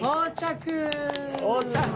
到着。